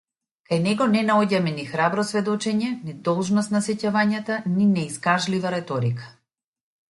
Кај него не наоѓаме ни храбро сведочење, ни должност на сеќавањата, ни неискажлива реторика.